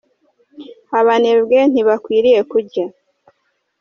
Abanebwe ntibakwiriye kurya